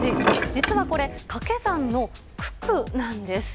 実はこれ、かけ算の九九なんです。